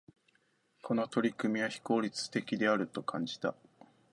この取り組みは、非効率的であると感じた。